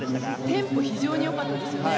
テンポ非常によかったですよね。